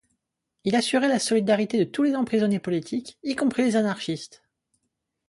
Il assurait la solidarité de tous les emprisonnés politiques, y compris les anarchistes.